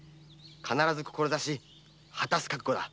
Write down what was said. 必ず志を果たす覚悟だ。